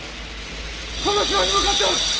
この城に向かっておる！